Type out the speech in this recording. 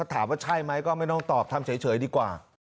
ถามว่าใช่ไหมก็ไม่ต้องตอบทำเฉยดีกว่า